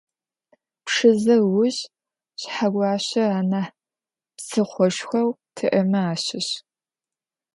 Пшызэ ыуж Шъхьэгуащэ анахь псыхъошхоу тиӏэмэ ащыщ.